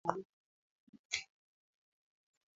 muundo wa magazeti hauhitaji rasilimali nyingi sanaa